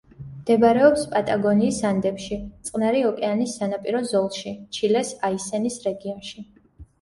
მდებარეობს პატაგონიის ანდებში, წყნარი ოკეანის სანაპირო ზოლში, ჩილეს აისენის რეგიონში.